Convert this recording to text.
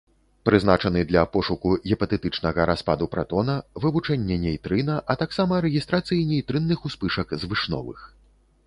Прызначаны для пошуку гіпатэтычнага распаду пратона, вывучэння нейтрына, а таксама рэгістрацыі нейтрынных успышак звышновых.